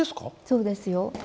そうですよ。